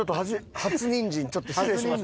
初にんじんちょっと失礼します。